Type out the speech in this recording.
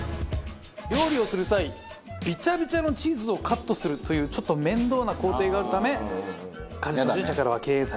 料理をする際びちゃびちゃのチーズをカットするというちょっと面倒な工程があるため家事初心者からは敬遠されがちと。